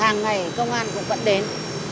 hàng ngày công an cũng vẫn đến